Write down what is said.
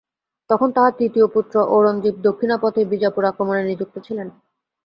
তখন তাঁহার তৃতীয় পুত্র ঔরংজীব দক্ষিণাপথে বিজাপুর আক্রমণে নিযুক্ত ছিলেন।